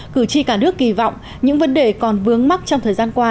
cử tri cả nước kỳ vọng những vấn đề còn vướng mắt trong thời gian qua